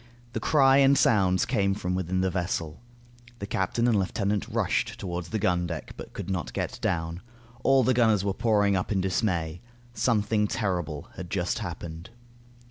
The cry and sounds came from within the vessel. The captain and lieutenant rushed toward the gun deck but could not get down. All the gunners were pouring up in dismay. Something terrible had just happened.